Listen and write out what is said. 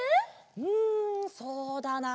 うんそうだなあ。